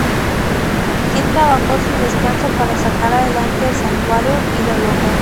Quien trabajó sin descanso para sacar adelante el santuario, y lo logró.